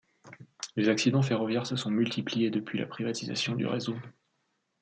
Les accidents ferroviaires se sont multipliés depuis la privatisation du réseau.